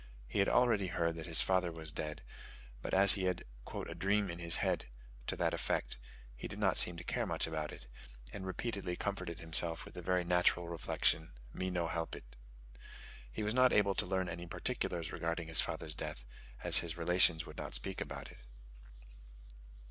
He had already heard that his father was dead; but as he had had a "dream in his head" to that effect, he did not seem to care much about it, and repeatedly comforted himself with the very natural reflection "Me no help it." He was not able to learn any particulars regarding his father's death, as his relations would not speak about it.